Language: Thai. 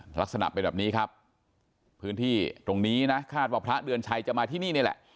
ลักษณะเป็นแบบนี้ครับพื้นที่ตรงนี้นะคาดว่าพระเดือนชัยจะมาที่นี่นี่แหละ